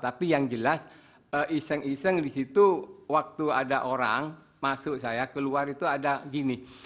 tapi yang jelas iseng iseng di situ waktu ada orang masuk saya keluar itu ada gini